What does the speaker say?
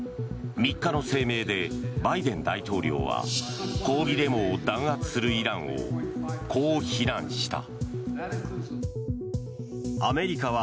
３日の声明でバイデン大統領は抗議デモを弾圧するイランをこう非難した。